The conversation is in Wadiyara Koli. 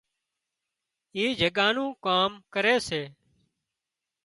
اي جڳا نُون ڪام ڪري سي